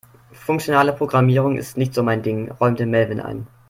Funktionale Programmierung ist nicht so mein Ding, räumte Melvin ein.